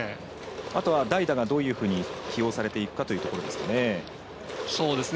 あとは代打がどういうふうに起用されていくかというところですね。